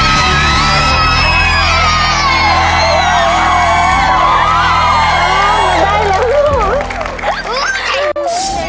ได้แล้ว